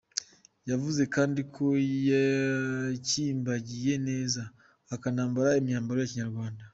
Yavuze kandi ko yakimbagiye neza, akanambara imyambaro ya Kinyarwanda.